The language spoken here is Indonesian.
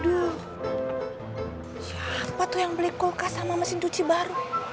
aduh siapa tuh yang beli kulkas sama mesin cuci baru